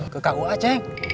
ke kua ceng